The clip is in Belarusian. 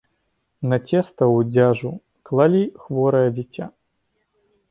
На цеста ў дзяжу клалі хворае дзіця.